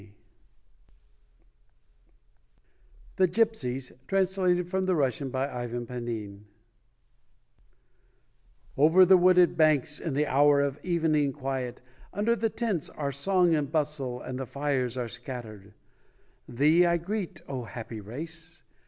ALEXANDER SERGYEYEVICH PUSHKIN [ 113 THE GYPSIES (Translated from the Russian by IVAN PAXIN) Over the wooded banks, In the hour of evening quiet, Under the tents are song and bustle And the fires are scattered. Thee I greet, O happy race!